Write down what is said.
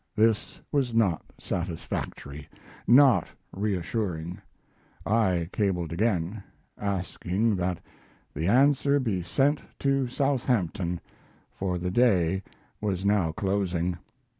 This was not satisfactory not reassuring. I cabled again, asking that the answer be sent to Southampton, for the day was now closing.